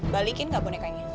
balikin gak bonekanya